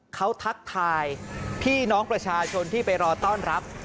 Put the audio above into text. เขาทักทายพี่น้องประชาชนที่ไปรอต้อนรับ